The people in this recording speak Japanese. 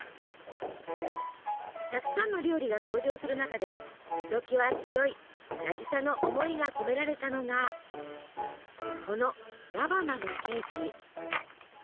たくさんの料理が登場する中でひときわ強い渚の思いが込められたのがこの菜花のケーキ。